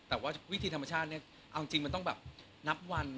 แต่ว่าวิธีธรรมชาติเนี่ยเอาจริงมันต้องแบบนับวัน